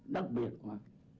đặc biệt quá